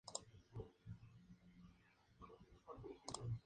Su trabajo se ha desenvuelto en varios campos de la matemática y geometría.